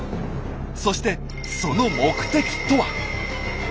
そしてその目的とは？